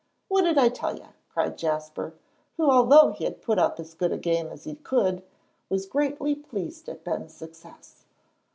"What did I tell you?" cried Jasper, who, although he had put up as good a game as he could, was greatly pleased at Ben's success.